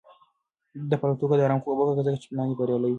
ده په الوتکه کې د ارام خوب وکړ ځکه چې پلان یې بریالی و.